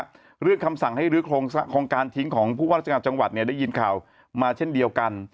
เรื่องคำสั่งให้ลื้อโครงการทิ้งของผู้ว่าราชการจังหวัดเนี่ยได้ยินข่าวมาเช่นเดียวกัน